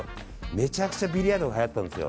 めちゃくちゃビリヤードがはやったんですよ。